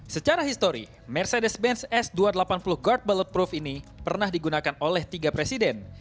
secara histori mercedes benz s dua ratus delapan puluh guard bulletproof ini pernah digunakan oleh tiga presiden